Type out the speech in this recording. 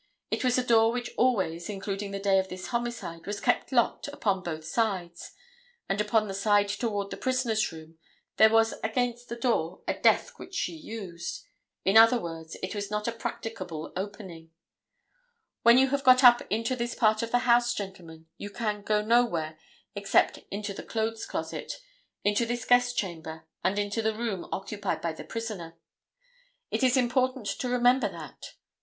It was a door which always, including the day of this homicide, was kept locked upon both sides, and upon the side toward the prisoner's room there was against the door a desk which she used. In other words it was not a practicable opening. When you have got up into this part of the house, gentlemen, you can go nowhere except into this clothes closet, into this guest chamber and into the room occupied by the prisoner. It is important to remember that.